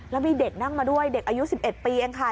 แล้วมีเด็กนั่งมาด้วยเด็กอายุ๑๑ปีเองค่ะ